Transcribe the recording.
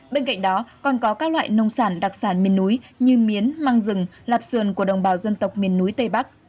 bên cạnh đó còn có các loại nông sản đặc sản miền núi như miến măng rừng lạp sườn của đồng bào dân tộc miền núi tây bắc